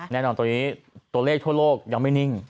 แน่นอนตรงนี้ตัวเลขทั่วโลกยังไม่นิ่ง